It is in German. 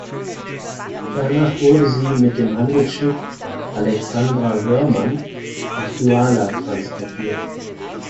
Danach wurde sie mit dem Handelsschiff "Alexandra Woermann" nach Duala transportiert.